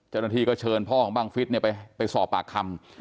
เจ้าหน้าที่ก็เชิญพ่อของบังฟิศไปสอบปากคำ